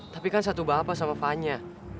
tapi kan satu bapak sama fanya